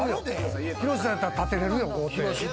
ヒロシさんやったら、たてれるよ豪邸。